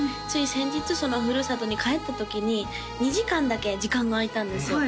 先日そのふるさとに帰った時に２時間だけ時間が空いたんですよ